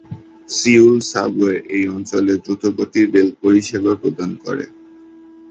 Seoul subway এই অঞ্চলে দ্রুতগতির রেল পরিষেবা প্রদান করে।